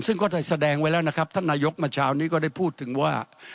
ซึ่งก็ได้แสดงไว้แล้วนะครับท่านนายกเมื่อเช้านี้ก็ได้พูดถึงว่า